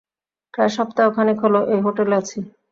প্রায় সপ্তাহখানেক হল এই হোটেলে আছি।